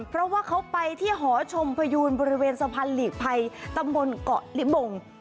เพราะว่าเขาไปที่หอชมพยูนบริเวณสะพานหลีกภัยตำบลเกาะลิบง